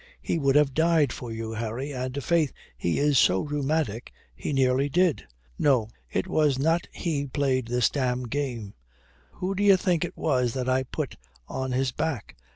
He would have died for you, Harry, and faith he is so rheumatic he nearly did. No, it was not he played this damned game. Who d'ye think it was that I put on his back?